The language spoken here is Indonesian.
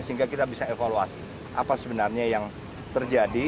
sehingga kita bisa evaluasi apa sebenarnya yang terjadi